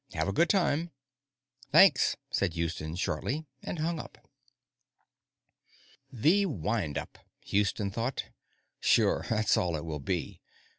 Have a good time." "Thanks," said Houston shortly, and hung up. The windup, Houston thought. _Sure. That's all it will be.